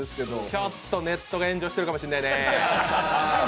ちょっとネットが炎上しているかもしれないね。